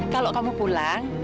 kalau kamu pulang